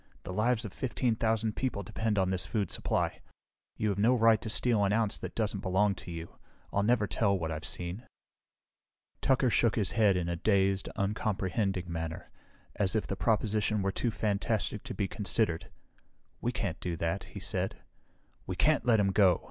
"The lives of fifteen thousand people depend on this food supply. You have no right to steal an ounce that doesn't belong to you. I'll never tell what I've seen." Tucker shook his head in a dazed, uncomprehending manner, as if the proposition were too fantastic to be considered. "We can't do that," he said. "We can't let him go!"